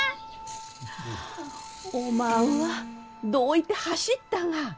おまんはどういて走ったが！